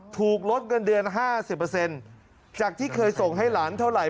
ถูกลดเงินเดือน๕๐จากที่เคยส่งให้หลานเท่าไหร